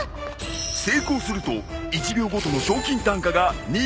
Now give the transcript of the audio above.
成功すると１秒ごとの賞金単価が２倍に！